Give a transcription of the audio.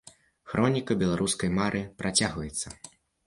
Хроніка беларускай мары працягваецца.